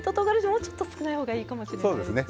もうちょっと少ないほうがいいかもしれないです。